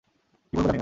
কী বলবো জানি না।